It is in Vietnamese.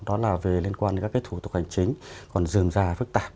đó là về liên quan đến các cái thủ tục hành chính còn dường dài phức tạp